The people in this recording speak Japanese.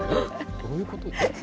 どういうこと？